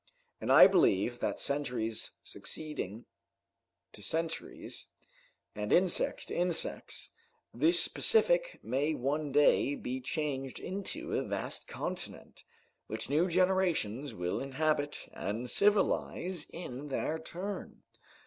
And I believe that centuries succeeding to centuries, and insects to insects, this Pacific may one day be changed into a vast continent, which new generations will inhabit and civilize in their turn."